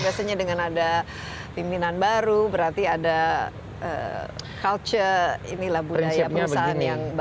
biasanya dengan ada pimpinan baru berarti ada culture inilah budaya perusahaan yang baru